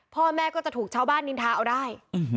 พ่อแม่ก็จะถูกชาวบ้านนินทาเอาได้